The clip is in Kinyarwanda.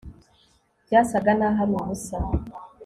byasaga naho ari ubusa